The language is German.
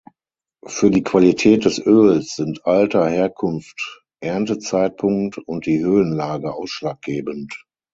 Für die Qualität des Öls sind Alter, Herkunft, Erntezeitpunkt und die Höhenlage ausschlaggebend.